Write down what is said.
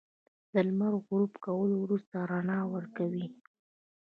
• لمر د غروب کولو وروسته رڼا ورکوي.